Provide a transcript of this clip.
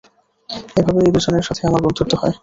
এভাবেই এই দুজনের সাথে আমার বন্ধুত্ব হয়।